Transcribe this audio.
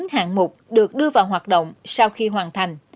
chín hạng mục được đưa vào hoạt động sau khi hoàn thành